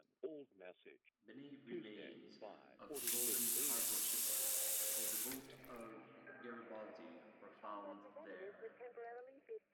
Many remains of Roman cargo ships and the boat of Garibaldi were found there.